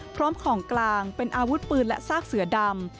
พร้อมของกลางเป็นอาวุธปืนและซากเสือดำ